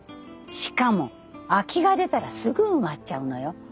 しかも空きが出たらすぐ埋まっちゃうのよ。